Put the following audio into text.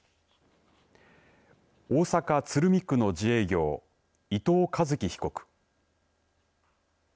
大阪・鶴見区の自営業伊藤一輝被告。